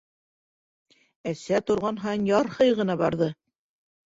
Әсә торған һайын ярһый ғына барҙы: